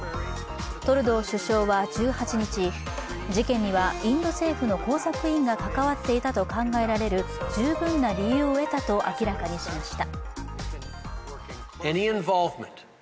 トルドー首相は１８日、事件にはインド政府の工作員が関わっていたと考えられる十分な理由を得たと明らかにしました。